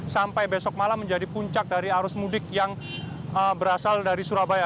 sampai besok malam menjadi puncak dari arus mudik yang berasal dari surabaya